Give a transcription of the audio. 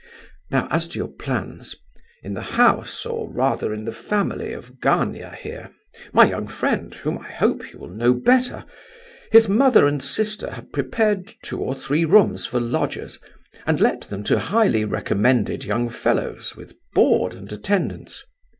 Now, as to your plans—in the house, or rather in the family of Gania here—my young friend, whom I hope you will know better—his mother and sister have prepared two or three rooms for lodgers, and let them to highly recommended young fellows, with board and attendance.